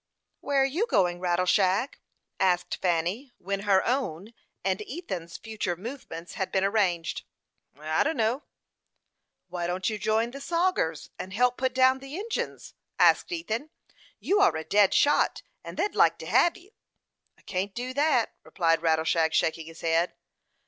"Where are you going, Rattleshag?" asked Fanny, when her own and Ethan's future movements had been arranged. "I dunno." "Why don't you join the sogers, and help put down the Injins?" asked Ethan. "You are a dead shot, and they'd like to hev you." "I can't do thet," replied Rattleshag, shaking his head.